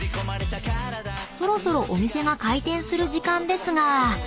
［そろそろお店が開店する時間ですが］